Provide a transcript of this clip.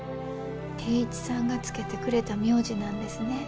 定一さんが付けてくれた名字なんですね。